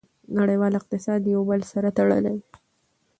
نړیوال اقتصاد یو بل سره تړلی دی.